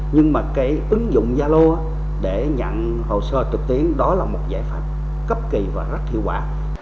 nhưng mà cái ứng dụng gia lô để nhận hồ sơ trực tuyến đó là một giải pháp cấp kỳ và rất hiệu quả